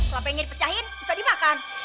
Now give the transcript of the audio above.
kelapa yang dipecahin bisa dimakan